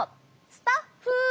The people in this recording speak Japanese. スタッフゥ！